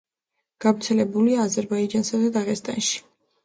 გავრცელებულია აზერბაიჯანსა და დაღესტანში.